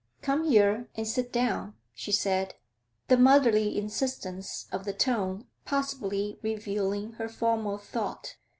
'Come here and sit down,' she said, the motherly insistance of the tone possibly revealing her former thought.